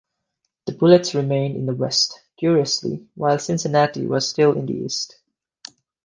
The Bullets remained in the West, curiously, while Cincinnati was still in the East.